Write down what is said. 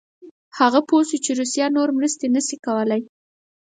هغه پوه شو چې روسیه نور مرستې نه شي کولای.